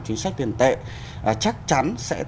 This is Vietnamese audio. chính sách tiền tệ chắc chắn sẽ